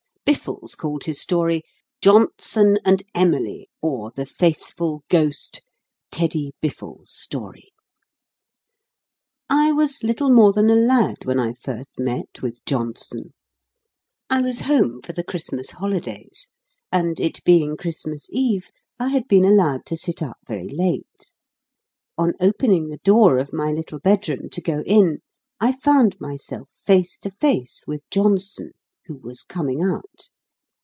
Biffles called his story JOHNSON AND EMILY OR THE FAITHFUL GHOST (Teddy Biffles' Story) I was little more than a lad when I first met with Johnson. I was home for the Christmas holidays, and, it being Christmas Eve, I had been allowed to sit up very late. On opening the door of my little bedroom, to go in, I found myself face to face with Johnson, who was coming out.